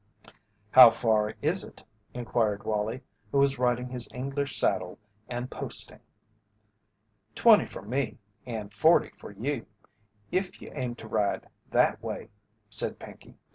"How far is it?" inquired Wallie, who was riding his English saddle and "posting." "Twenty for me and forty for you, if you aim to ride that way," said Pinkey.